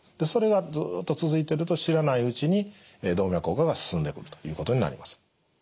それがずっと続いていると知らないうちに動脈硬化が進んでくるということになります。